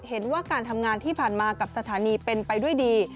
เห็นว่าการทำงานที่ผ่านมากับสถานีเป็นไปด้วยดี